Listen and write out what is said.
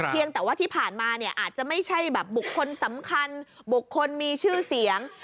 แต่ว่าที่ผ่านมาเนี่ยอาจจะไม่ใช่แบบบุคคลสำคัญบุคคลมีชื่อเสียง